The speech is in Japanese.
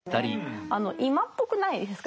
今っぽくないですか。